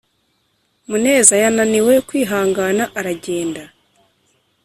muneza yananiwe kwihangana aragenda